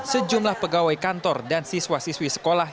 sejumlah pegawai kantor dan siswa siswi sekolah